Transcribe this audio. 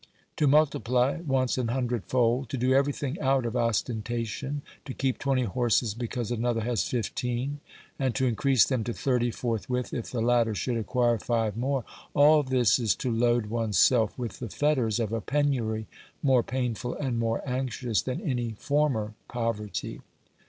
To multiply wants an hundred fold ; to do everything out of ostenta tion ; to keep twenty horses because another has fifteen, and to increase them to thirty forthwith if the latter should acquire five more — all this is to load one's self with the fetters of a penury more painful and more anxious than any former poverty.